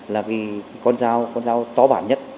là con dao tỏ bản nhất